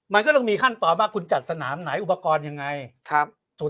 มันก็ต้องมีขั้นตอนว่าคุณจัดสนามไหนอุปกรณ์ยังไงครับ